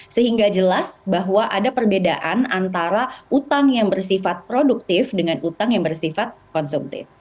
sehingga jelas bahwa ada perbedaan antara utang yang bersifat produktif dengan utang yang bersifat konsumtif